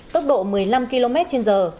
tốc độ một mươi năm km trên giờ